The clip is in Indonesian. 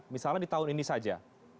misalnya di tahun ini saja